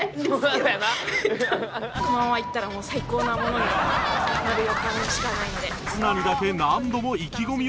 このままいったらもう最高なものになる予感しかないので。